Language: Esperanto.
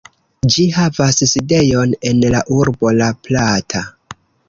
Ĝi havas sidejon en la urbo La Plata.